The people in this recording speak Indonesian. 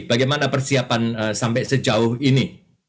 bagaimana persiapan sampai sejauh ini